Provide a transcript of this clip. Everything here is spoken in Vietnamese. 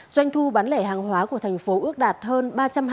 doanh thu bán lẻ hàng hóa của tp hcm ước đạt hơn